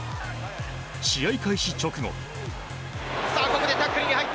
試合開始直後。